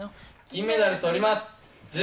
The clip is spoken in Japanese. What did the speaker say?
金メダルとります。